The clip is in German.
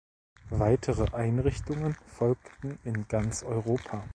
Weitere Einrichtungen folgten in ganz Europa.